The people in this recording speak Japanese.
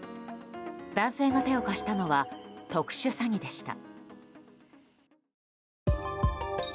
男性が手を貸したのは特殊詐欺でした。